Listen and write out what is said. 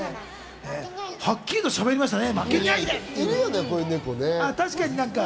はっきりとしゃべりましたね。